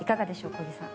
小木さん。